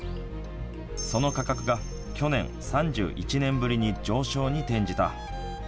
その価格が去年、３１年ぶりに上昇に転じた。